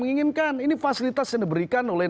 menginginkan ini fasilitas yang diberikan oleh